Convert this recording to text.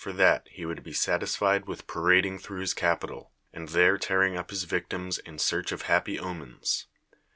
that he would be satislied with ]>aradiiig through his cai)ital, and thei'C tearing up his victims in search of happy omens.